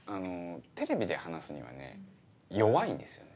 テレビで話すにはね弱いんですよね。